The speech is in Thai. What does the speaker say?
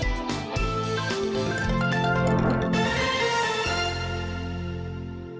มีอย่างไรบ้างครับ